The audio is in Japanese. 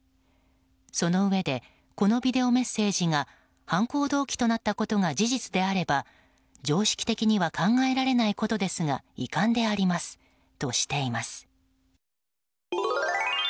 そのうえでこのビデオメッセージが犯行動機となったことが事実であれば常識的には考えられないことでありますが遺憾でありますとしています。